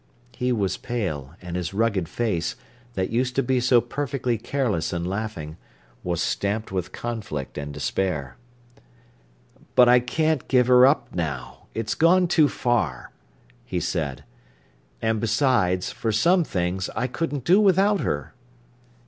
He was pale, and his rugged face, that used to be so perfectly careless and laughing, was stamped with conflict and despair. "But I can't give her up now; it's gone too far," he said. "And, besides, for some things I couldn't do without her."